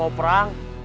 aku akan berpangkat